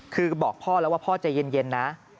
คือบอกพ่อแล้วว่าพ่อใจเย็นนะ